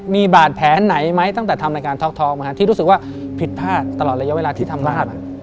มีบาดแผลไหนไหมตั้งแต่ทำรายการท็อกท้องที่รู้สึกว่าผิดพลาดตลอดระยะเวลาที่ทำลาบ